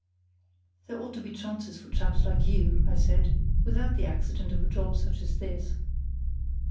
"There ought to be chances for chaps like you," I said, "without the accident of a job such as this."